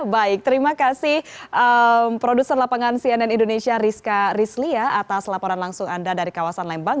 baik terima kasih produser lapangan cnn indonesia rizka rizlia atas laporan langsung anda dari kawasan lembang